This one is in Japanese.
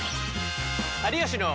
「有吉の」。